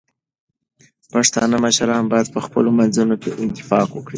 پښتانه مشران باید په خپلو منځونو کې اتفاق ولري.